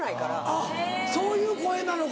あっそういう声なのか。